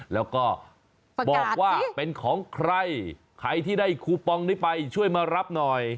แล้วก็บอกว่าเป็นของใครใครที่ได้คูปองนี้ไปช่วยมารับหน่อย